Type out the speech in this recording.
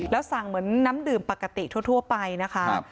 แล้วสั่งเหมือนน้ำดื่มปกติทั่วไปนะคะ